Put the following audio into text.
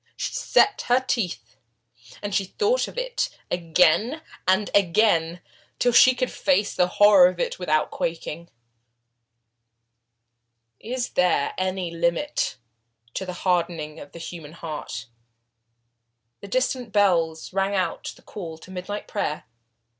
She set her teeth, and thought of it again and again, till she could face the horror of it without quaking. Is there any limit to the hardening of the human heart? The distant bells rang out the call to midnight prayer.